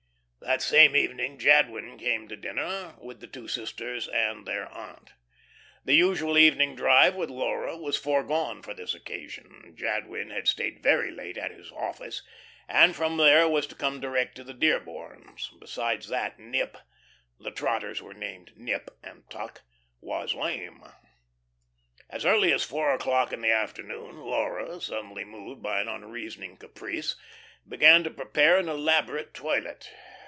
That same evening Jadwin came to dinner with the two sisters and their aunt. The usual evening drive with Laura was foregone for this occasion. Jadwin had stayed very late at his office, and from there was to come direct to the Dearborns. Besides that, Nip the trotters were named Nip and Tuck was lame. As early as four o'clock in the afternoon Laura, suddenly moved by an unreasoning caprice, began to prepare an elaborate toilet.